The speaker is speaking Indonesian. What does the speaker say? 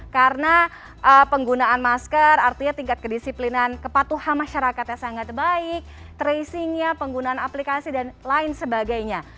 karena penggunaan masker artinya tingkat kedisiplinan kepatuhan masyarakatnya sangat baik tracingnya penggunaan aplikasi dan lain sebagainya